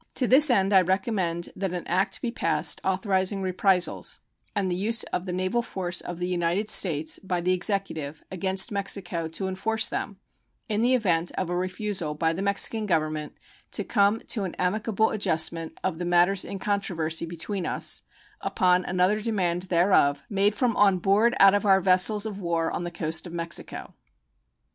To this end I recommend that an act be passed authorizing reprisals, and the use of the naval force of the United States by the Executive against Mexico to enforce them, in the event of a refusal by the Mexican Government to come to an amicable adjustment of the matters in controversy between us upon another demand thereof made from on board out of our vessels of war on the coast of Mexico.